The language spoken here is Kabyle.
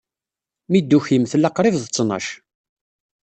Mi d-tukim, tella qrib d ttnac.